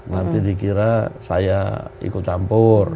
nanti dikira saya ikut campur